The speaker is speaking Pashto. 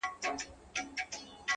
دا لکه ماسوم ته چي پېښې کوې!